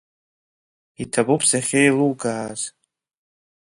Иҭабуп сахьеилукааз!